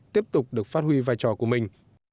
tiếp tục được phát huy vai trò của mình